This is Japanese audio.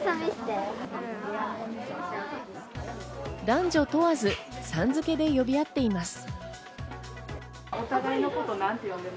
男女問わず、さん付けで呼び合っています。